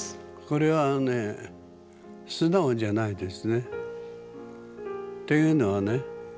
これはね素直じゃないですね。というのはね